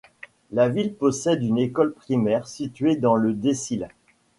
La ville possède une école primaire située dans le décile.